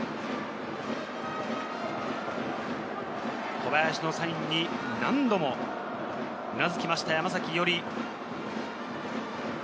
小林のサインに何度もうなずきました山崎伊織。